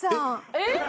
えっ？